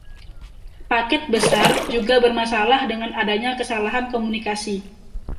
Paket besar juga bermasalah dengan adanya kesalahan komunikasi.